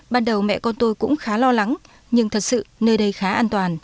ban đầu mẹ con tôi cũng khá lo lắng nhưng thật sự nơi đây khá an toàn